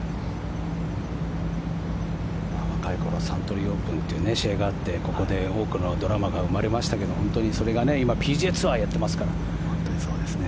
若い頃サントリーオープンという試合があってここで多くのドラマが生まれましたけど本当にそれが今はＰＧＡツアーをやっていますから。